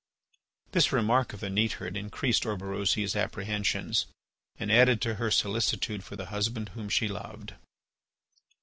This remark of the neatherd increased Orberosia's apprehensions and added to her solicitude for the husband whom she loved.